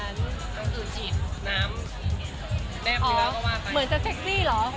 ต้องสูญชิตน้ำแดบที่ว่าก็ว่าไปอ๋อเหมือนจะเฟ็กซี่เหรอ